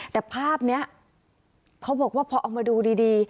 แต่ภาพนี้เขาบอกว่าพอเอามาดูดี